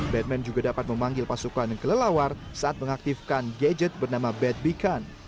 batman juga dapat memanggil pasukan yang kelelawar saat mengaktifkan gadget bernama badbecon